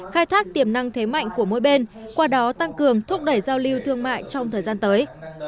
khai thác tiềm năng thế mạnh của mỗi bên qua đó tăng cường thúc đẩy giao lưu thương mại trong thời gian tới